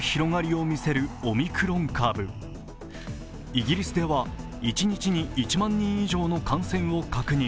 イギリスでは一日に１万人以上の感染を確認。